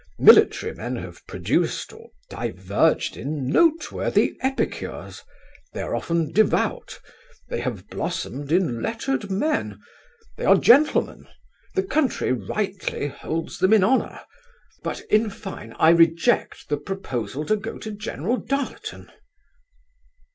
Military men have produced, or diverged in, noteworthy epicures; they are often devout; they have blossomed in lettered men: they are gentlemen; the country rightly holds them in honour; but, in fine, I reject the proposal to go to General Darleton.